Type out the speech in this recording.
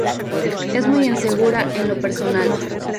Es muy insegura en lo personal.